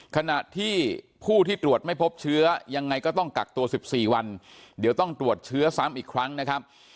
ขณะที่ผู้ที่ตรวจไม่พบเชื้อยังไงก็ต้องกักตัว๑๔วันเดี๋ยวต้องตรวจเชื้อซ้ำอีกครั้งนะครับ